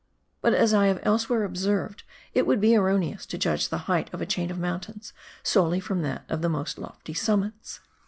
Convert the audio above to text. But, as I have elsewhere observed, it would be erroneous to judge the height of a chain of mountains solely from that of the most lofty summits.